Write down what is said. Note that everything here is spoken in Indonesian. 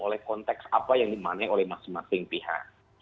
oleh konteks apa yang dimaknai oleh masing masing pihak